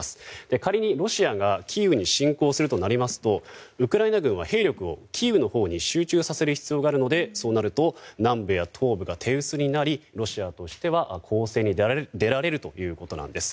仮にロシアがキーウに侵攻するとなりますとウクライナ軍は兵力をキーウのほうに集中させる必要があるのでそうなると南部や東部が手薄になりロシアとしては攻勢に出られるということです。